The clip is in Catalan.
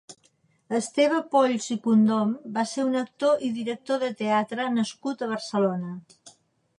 Esteve Polls i Condom va ser un actor i director de teatre nascut a Barcelona.